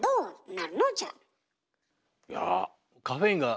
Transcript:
いや。